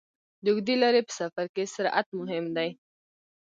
د اوږدې لارې په سفر کې سرعت مهم دی.